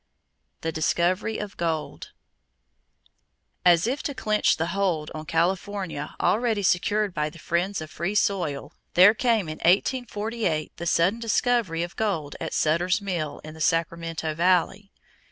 The Discovery of Gold. As if to clinch the hold on California already secured by the friends of free soil, there came in 1848 the sudden discovery of gold at Sutter's Mill in the Sacramento Valley.